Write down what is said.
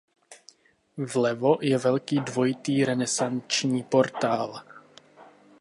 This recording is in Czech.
Vlevo je velký dvojitý renesanční portál.